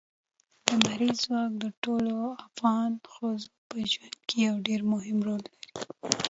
لمریز ځواک د ټولو افغان ښځو په ژوند کې یو ډېر مهم رول لري.